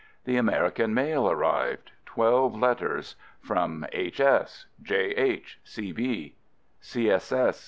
The American mail arrived !— twelve letters — from H. S., J. H.